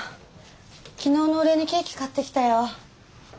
昨日のお礼にケーキ買ってきたよ。